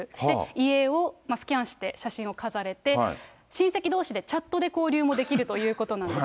遺影をスキャンして、写真を飾れて、親戚どうしでチャットで交流もできるということなんです。